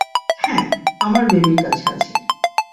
হ্যাঁ, আমার বেবির কাছে আছে।